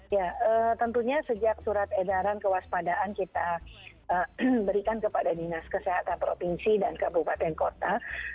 ya tentunya sejak surat edaran kewaspadaan kita berikan kepada dinas kesehatan provinsi dan kabupaten kota